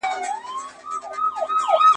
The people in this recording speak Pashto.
زه جواب نه ورکوم!